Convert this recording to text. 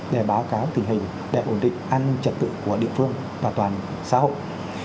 để báo cáo tình hình để ổn định an ninh trật tự của địa phương và toàn xã hội